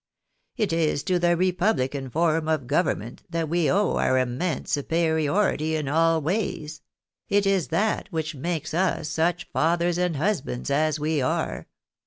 It is to the republican form of government that we owe our immense superiority in all ways ; it is that which makes us such fathers and husbands as we are.